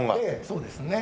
そうですね。